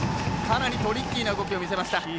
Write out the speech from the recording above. かなりトリッキーな動きを見せました。